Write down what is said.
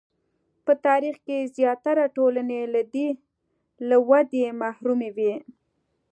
په تاریخ کې زیاتره ټولنې له ودې محرومې وې.